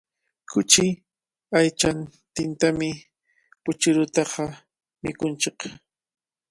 Kuchi aychantintami puchirutaqa mikunchik.